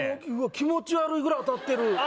気持ち悪いぐらい当たってるあ